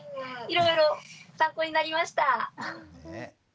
いろいろ参考になりました。